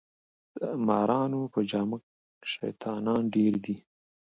د مارانو په جامه شیطانان ډیر دي